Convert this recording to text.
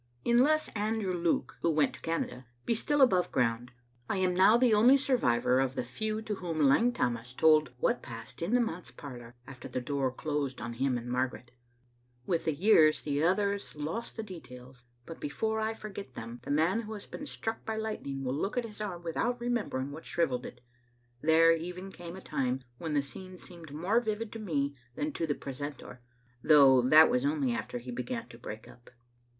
Unless Andrew Luke, who went to Canada, be still above ground, I am now the only survivor of the few to whom Lang Tammas told what passed in the manse parlor after the door closed on him and Margaret. With the years the others lost the details, but before I forget them the man who has been struck by lightning will look at his arm without remembering what shriv elled it. There even came a time when the scene seemed more vivid to me than to the precentor, though that was only after he began to break up.